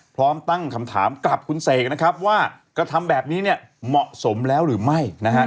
พร้อมตั้งคำถามกับคุณเสกว่ากระทำแบบนี้เหมาะสมแล้วหรือไม่